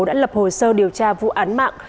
đã lập hồ sơ điều tra vụ án mạng